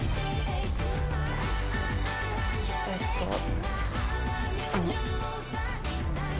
えっとあの。